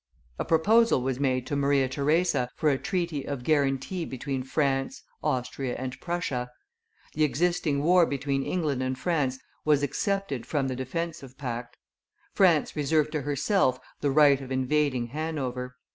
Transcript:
A proposal was made to Maria Theresa for a treaty of guarantee between France, Austria, and Prussia; the existing war between England and France was excepted from the defensive pact; France reserved to herself the right of invading Hanover.